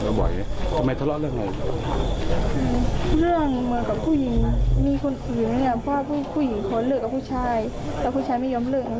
เพราะว่าผู้หญิงขอเลิกกับผู้ชายแต่ผู้ชายไม่ยอมเลิก